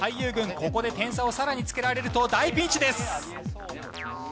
ここで点差をさらにつけられると大ピンチです。